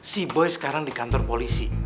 si boy sekarang di kantor polisi